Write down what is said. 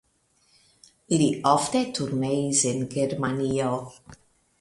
Li ofte turneis en Germanio.